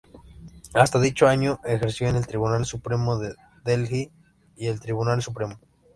Hasta dicho año ejerció en el Tribunal Supremo de Delhi y el Tribunal Supremo.